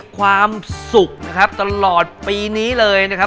ความสุขนะครับตลอดปีนี้เลยนะครับ